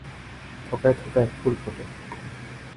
থোকায় থোকায় ফুল ফোটে।